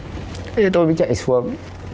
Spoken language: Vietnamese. thế tôi mới chạy xuống